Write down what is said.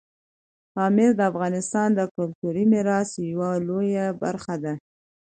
پامیر د افغانستان د کلتوري میراث یوه لویه برخه ده.